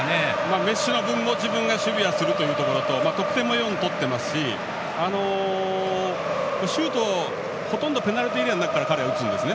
メッシの分も自分が守備をするというところと得点も４点取っていますしシュートはほとんどペナルティーエリアの中で彼は打つんですね。